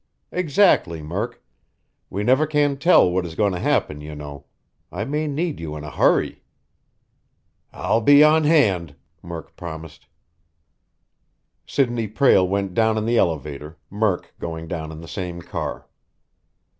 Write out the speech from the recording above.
"Exactly, Murk. We never can tell what is going to happen, you know. I may need you in a hurry." "I'll be on hand," Murk promised. Sidney Prale went down in the elevator, Murk going down in the same car.